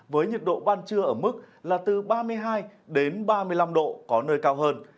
với nhiệt độ ban trưa ở mức là từ ba mươi hai đến ba mươi năm độ có nơi cao hơn